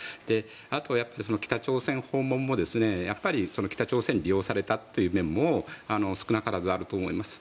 あと、北朝鮮訪問も北朝鮮に利用されたという面も少なからずあると思います。